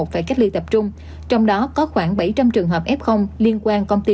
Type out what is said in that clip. phải cách ly tập trung trong đó có khoảng bảy trăm linh trường hợp f liên quan công ty